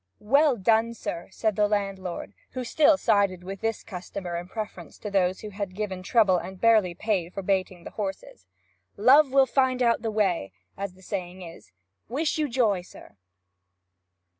'Well done, sir!' said the landlord, who still sided with this customer in preference to those who had given trouble and barely paid for baiting the horses. '"Love will find out the way!" as the saying is. Wish you joy, sir!'